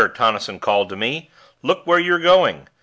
Tonnison called to me. "Look where you're going."